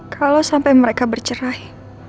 kalau sampai mereka bercerai